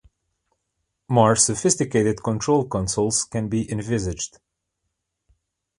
More sophisticated control consoles can be envisaged.